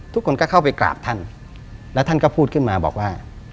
ทุกคนก็เข้าไปกราบท่านแล้วท่านก็พูดขึ้นมาบอกว่า